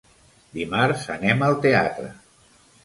Dimarts anem al teatre.